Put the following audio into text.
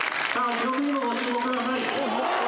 記録にもご注目ください。